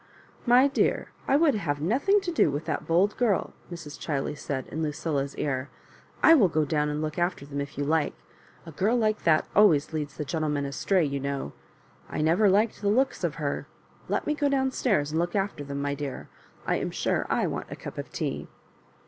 "My dear, I would have nothing to do with that bold girl," Mrs. Chiley said in Lucilla's ear. " I will go down and look after them if you like. A girl like that always leads the gentlemen astray, you know. I never liked the looks of her. Let me go down stairs and look after them, my dear. I am sure I want a cup of tea."